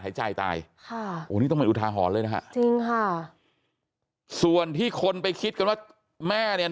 หายใจตายค่ะโอ้นี่ต้องเป็นอุทาหรณ์เลยนะฮะจริงค่ะส่วนที่คนไปคิดกันว่าแม่เนี่ย